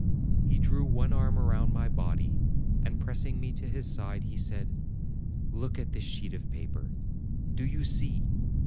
He drew one arm around my body, and pressing me to his side, he said : "Look at this sheet of paper. Do you see?